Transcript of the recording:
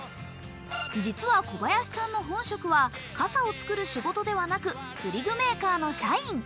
実は小林さんの本職は傘を作る仕事ではなく釣り具メーカーの社員。